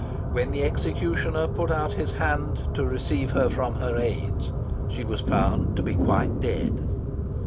When the executioner put out his hand to receive her from his aids, she was found to be quite dead.